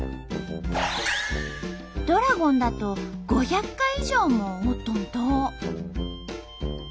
ドラゴンだと５００回以上も折っとんと！